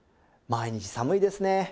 毎日寒いですね。